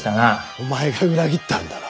お前が裏切ったんだろ。